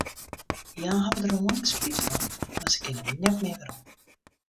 Hja hawwe dêr al lang spyt fan, mar se kinne net mear werom.